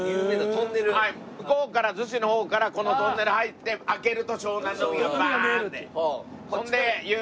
向こうから逗子の方からこのトンネル入って開けると湘南の海がバーンって。